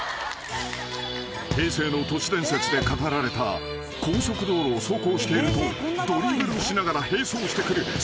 ［平成の都市伝説で語られた高速道路を走行しているとドリブルをしながら並走してくる］